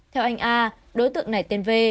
theo anh a đối tượng này tên v